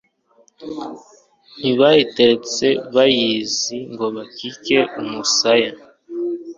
Ntibayiteretse bayizi Ngo bakike umusaya,